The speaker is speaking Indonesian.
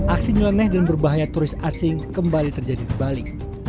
aksi nyeleneh dan berbahaya turis asing kembali terjadi di bali